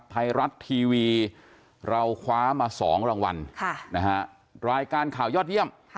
ไทยรัฐทีวีเราคว้ามา๒รางวัลรายการข่าวยอดเยี่ยม